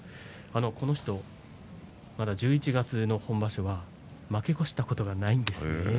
この人まだ１１月の本場所は負け越したことがないんです。